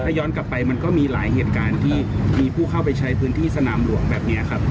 ย้อนกลับไปมันก็มีหลายเหตุการณ์ที่มีผู้เข้าไปใช้พื้นที่สนามหลวงแบบนี้ครับ